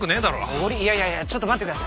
いやいやいやちょっと待ってください。